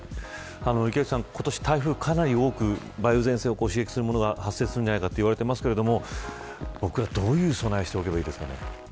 池内さん、台風かなり梅雨前線を刺激するものが発生すると言われていますが僕ら、どういう備えをしておけばいいですか。